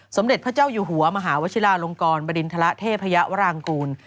สมเด็จพระเจ้าอยู่หัวมหาวชิลาลงกรบริณฑระเทพยวรางกูล